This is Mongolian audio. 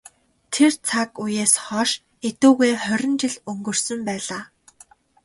Тэр цаг үеэс хойш эдүгээ хорин жил өнгөрсөн байлаа.